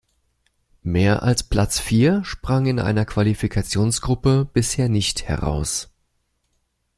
Mehr als Platz Vier sprang in einer Qualifikations-Gruppe bisher nicht heraus.